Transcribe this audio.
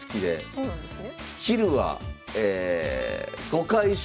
そうなんですね。